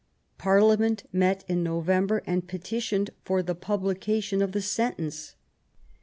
Parliament met in November, and petitioned for the publication of the sentence.